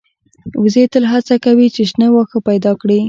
وزې تل هڅه کوي چې شنه واښه پیدا کړي